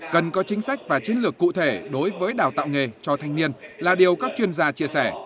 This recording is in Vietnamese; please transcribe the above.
cần có chính sách và chiến lược cụ thể đối với đào tạo nghề cho thanh niên là điều các chuyên gia chia sẻ